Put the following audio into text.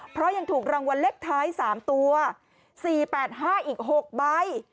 เพราะยังถูกรางวัลเล็กท้ายสามตัวสี่แปดห้าอีกหกใบ